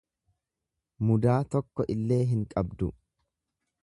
Mudaa tokko illee hin qabdu.